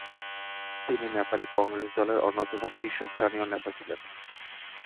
তিনি নেপালি কংগ্রেস দলের অন্যতম শীর্ষস্থানীয় নেতা ছিলেন।